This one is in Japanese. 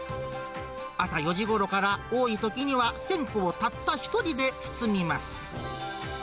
朝４時ごろから、多いときには１０００個をたった一人で包みます。